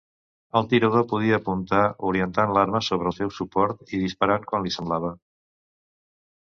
El tirador podia apuntar, orientant l'arma sobre el seu suport, i disparar quan li semblava.